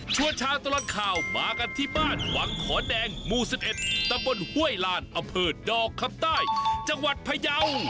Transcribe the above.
ชวนช้าตลอดข่าวมากันที่บ้านหวังขอดแดงมู๑๑ตำบลห้วยลานอเภิดดอกคับใต้จังหวัดพยาวฮะ